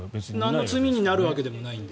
なんの罪になるわけでもないので。